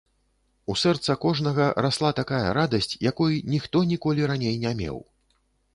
У сэрца кожнага расла такая радасць, якой ніхто ніколі раней не меў.